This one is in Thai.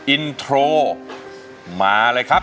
อินโทรมาเลยครับ